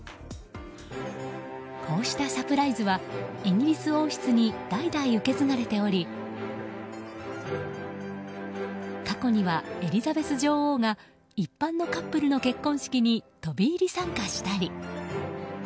こうしたサプライズはイギリス王室に代々受け継がれており過去にはエリザベス女王が一般のカップルの結婚式に飛び入り参加したり。